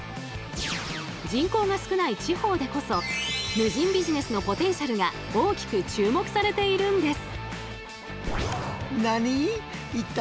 人口が少ない地方でこそ無人ビジネスのポテンシャルが大きく注目されているんです。